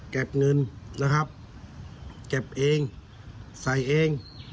เก็บเงินนะครับเก็บเองใส่เอง